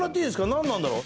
なんなんだろう？